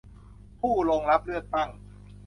ผู้ลงรับเลือกตั้ง